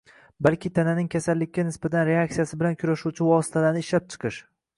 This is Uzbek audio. balki tananing kasallikka nisbatan reaksiyasi bilan kurashuvchi vositalarni ishlab chiqish